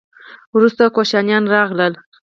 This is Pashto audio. وروسته کوشانیان راغلل